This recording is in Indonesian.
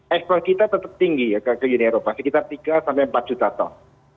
ekspor kita tetap tinggi ya ke uni eropa sekitar tiga sampai empat juta ton